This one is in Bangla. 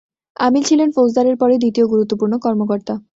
আমিল ছিলেন ফৌজদারের পরে দ্বিতীয় গুরুত্বপূর্ণ কর্মকর্তা।